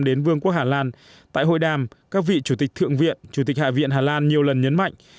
đến vương quốc hà lan tại hội đàm các vị chủ tịch thượng viện chủ tịch hạ viện hà lan nhiều lần nhấn mạnh